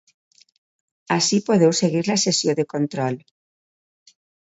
Ací podeu seguir la sessió de control.